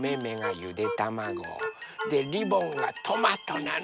でリボンがトマトなの。